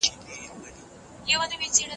راوځي نن په لاس د پښتانه زخمي سینې نه